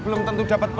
udah mau terawak